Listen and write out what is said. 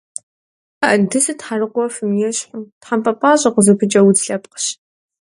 Андызыр тхьэрыкъуэфым ещхьу, тхьэмпэ пӏащӏэ къызыпыкӏэ удз лъэпкъщ.